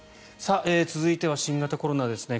続いては新型コロナですね